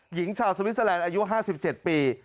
หญิงชาวสวิสเตอร์แลนด์อายุ๕๗ปี